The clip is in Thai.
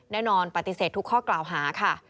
แน่นอนปฏิเสธทุกข้อกล่าวหาค่ะ